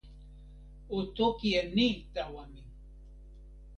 o toki e ni tawa mi.